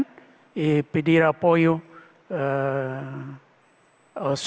dan meminta dukungan